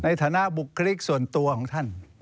ในฐานะบุคลิกส่วนตัวของท่าน